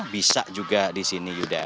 bisa juga di sini yuda